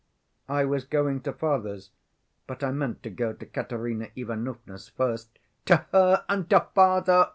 "I was going to father's, but I meant to go to Katerina Ivanovna's first." "To her, and to father!